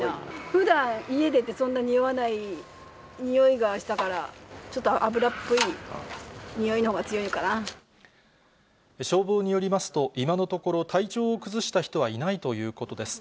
ふだん、家でそんな臭わないような臭いがしたから、ちょっと油っこい臭い消防によりますと、今のところ体調を崩した人はいないということです。